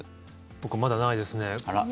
僕まだないですね。